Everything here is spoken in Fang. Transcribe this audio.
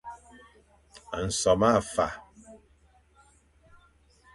Nsome a fa.